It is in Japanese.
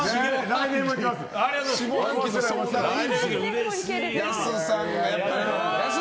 来年もいけます！